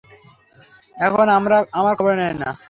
এখন আমার খবরও নেয় না।